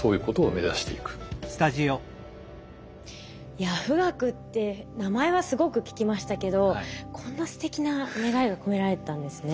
いや富岳って名前はすごく聞きましたけどこんなすてきな願いが込められてたんですね。